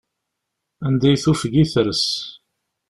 Anda i tufeg i ters.